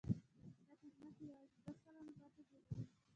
دا د ځمکې یواځې دوه سلنه برخه جوړوي.